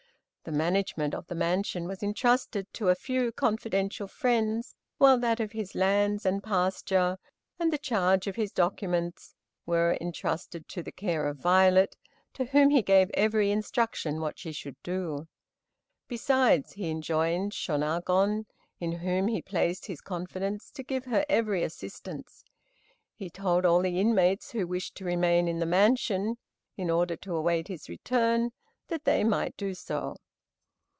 The management of the mansion was intrusted to a few confidential friends; while that of his lands and pasture, and the charge of his documents, were intrusted to the care of Violet, to whom he gave every instruction what she should do. Besides, he enjoined Shiônagon, in whom he placed his confidence, to give her every assistance. He told all the inmates who wished to remain in the mansion, in order to await his return, that they might do so.